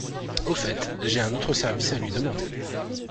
Au fait, j’ai un autre service à lui demander.